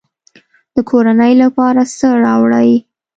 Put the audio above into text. د کورنۍ لپاره څه راوړئ؟